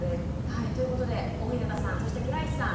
はいということで大日向さんそして倉石さん